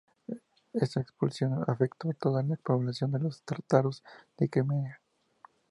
Esta expulsión afectó a toda la población de los tártaros de Crimea.